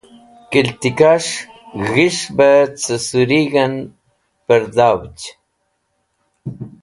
Kiltakẽs̃h g̃his̃h be cẽ surig̃hẽn pẽrdhavj.